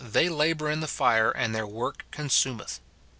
they labour in the fire, and their work con sumeth.